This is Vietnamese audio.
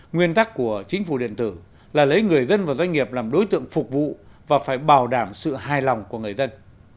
nguyên tắc của chính phủ điện tử là lấy người dân và doanh nghiệp làm đối tượng phục vụ và phải bảo đảm sự hài lòng của người dân